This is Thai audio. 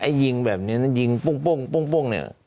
ไอ้ยิงแบบนี้ยิงปุ้งปุ้งเนี่ย